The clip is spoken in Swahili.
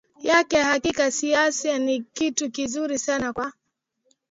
yake Hakika siasa ni kitu kizuri sana kwa